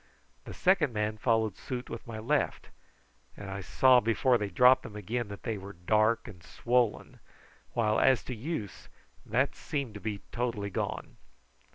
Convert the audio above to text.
The second man followed suit with my left, and I saw before they dropped them again that they were dark and swollen, while as to use, that seemed to be totally gone.